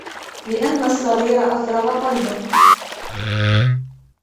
لِأَنَّ الصَّغِيرَ أَفْرَغُ قَلْبًا